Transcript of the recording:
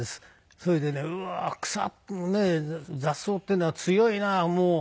それでね「うわー雑草っていうのは強いな」。